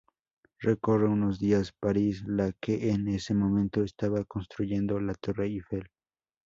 Recorre unos días París la que en ese momento estaba construyendo la torre Eiffel.